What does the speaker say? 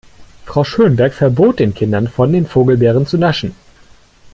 Frau Schönberg verbot den Kindern, von den Vogelbeeren zu naschen.